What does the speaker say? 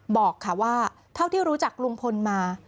บอกค่ะว่าเท่าที่รู้จักลุงพลมา